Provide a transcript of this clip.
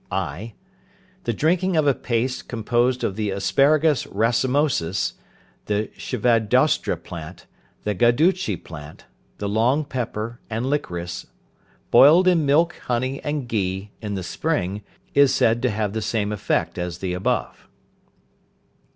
(i). The drinking of a paste composed of the asparagus racemosus, the shvadaushtra plant, the guduchi plant, the long pepper, and liquorice, boiled in milk, honey, and ghee, in the spring, is said to have the same effect as the above.